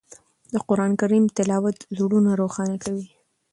د قرآن کریم تلاوت زړونه روښانه کوي.